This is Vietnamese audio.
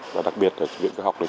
và đặc biệt là viện cơ học